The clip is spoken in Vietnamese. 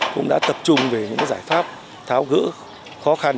cũng đã tập trung về những giải pháp tháo gỡ khó khăn